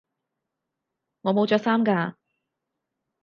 我冇着衫㗎